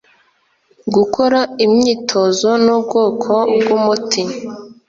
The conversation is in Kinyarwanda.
gukora imyitozo n'ubwoko bw'umuti.